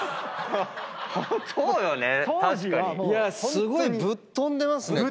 すごいぶっ飛んでますね。